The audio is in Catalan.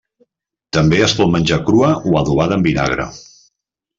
També es pot menjar crua o adobada en vinagre.